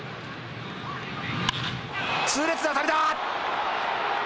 痛烈な当たりだ。